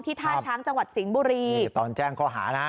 ที่ท่าช้างจังหวัดสิงห์บุรีนี่ตอนแจ้งเขาหานะ